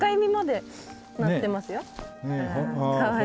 かわいい。